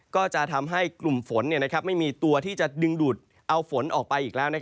ก็จะทำให้กลุ่มฝนไม่มีตัวที่จะดึงดูดเอาฝนออกไปอีกแล้ว